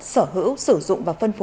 sở hữu sử dụng và phân phối